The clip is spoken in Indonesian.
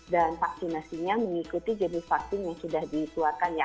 dan vaksinasinya mengikuti jenis vaksin yang sudah dituarkan ya